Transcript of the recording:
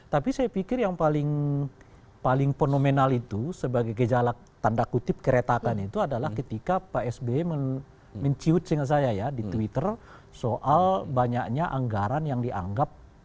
tapi saya pikir yang paling fenomenal itu sebagai gejala tanda kutip keretakan itu adalah ketika pak sby menciut dengan saya ya di twitter soal banyaknya anggaran yang dianggap